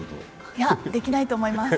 いや、できないと思います。